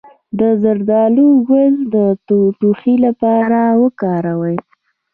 د زردالو ګل د ټوخي لپاره وکاروئ